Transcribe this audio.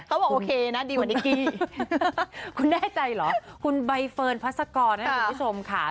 บอกโอเคนะดีกว่านิกกี้คุณแน่ใจเหรอคุณใบเฟิร์นพัศกรนะคุณผู้ชมค่ะ